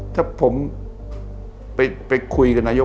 ถ้าผมไปคุยกับนายก